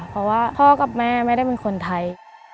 เพราะว่าพ่อกับแม่ไม่ได้เป็นคนไทย